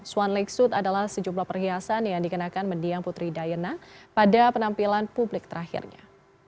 swan lake suit adalah sejumlah perhiasan yang dikenakan mendiang putri diana pada penampilan publik terakhirnya